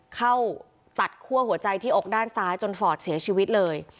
เข้าตัดคั่วหัวใจที่อกด้านซ้ายจนฟอร์ดเสียชีวิตเลย